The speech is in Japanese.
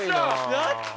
やった！